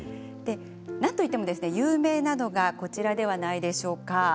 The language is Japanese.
なんといっても有名なのがこちらではないでしょうか。